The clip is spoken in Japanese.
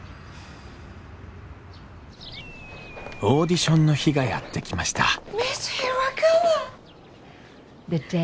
オーディションの日がやって来ました